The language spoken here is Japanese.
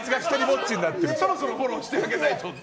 そろそろフォローしてあげないとって。